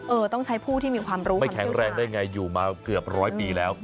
เออต้องใช้ผู้ที่มีความรู้ไม่แข็งแรงได้ไงอยู่มาเกือบร้อยปีแล้ว